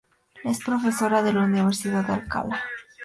Es profesora de la Universidad de Alcalá.